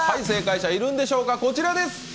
正解者はいるんでしょうか、こちらです。